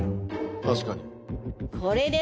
確かに。